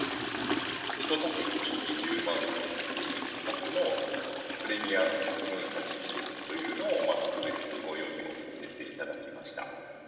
１座席２０万円という価格の、プレミアム桟敷席というのを特別にご用意をさせていただきました。